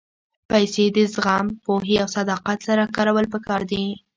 پېسې د زغم، پوهې او صداقت سره کارول پکار دي.